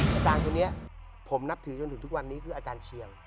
อาจารย์คนนี้ผมนับถือจนถึงทุกวันนี้คืออาจารย์เชียง